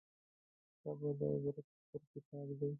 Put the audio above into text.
قبر د عبرت ستر کتاب دی.